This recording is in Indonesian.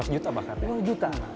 empat ratus juta bahkan ya